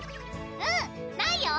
うん！ないよ！